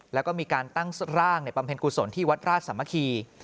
แล้วก็มีการตั้งร่างในบำเพ็ญกุศลที่วัดราชสามัคคี